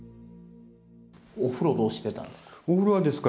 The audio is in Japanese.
お風呂、どうしてたんですか。